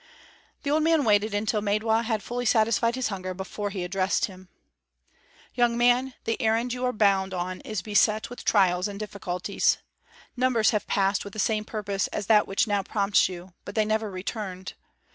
The old man waited until Maidwa had fully satisfied his hunger before he addressed him: "Young man, the errand you are bound on is beset with trials and difficulties. Numbers have passed with the same purpose as that which now prompts you, but they never returned.